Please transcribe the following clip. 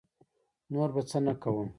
نور به څه نه کووم.